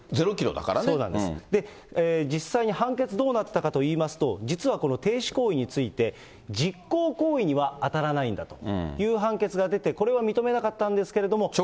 そうなんです、実際に判決どうなったかというと、実はこの停止行為について、実行行為は当たらないんだと、判決が出て、これは認めなかったんですけれども。